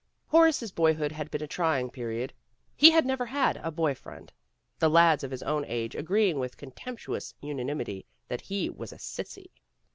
Horace's boyhood had been a trying period. He had never had a boy friend, the lads of his own age agreeing with contemptuous una nimity that he was a '* sissy.